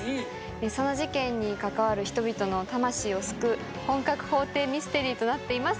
その事件に関わる人々の魂を救う本格法廷ミステリーとなっています。